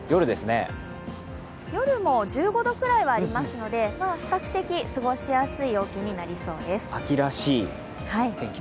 夜も１５度ぐらいはありますので比較的過ごしやすい陽気になりそうです。